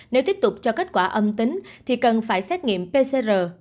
nếu tiếp tục cho kết quả âm tính thì cần phải xét nghiệm pcr